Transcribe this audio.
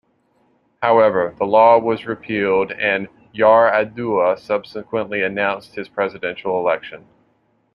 However, the law was repealed and Yar'Adua subsequently announced his presidential election.